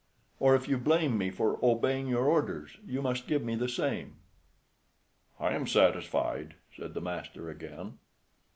"Or if you blame me for obeying your orders, you must give me the same." "I am satisfied," said the master again.